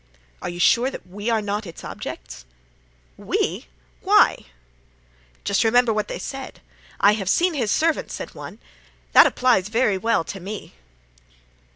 "Are you sure that we are not its objects?" "We? Why?" "Just remember what they said. 'I have seen his servant,' said one, and that applies very well to me."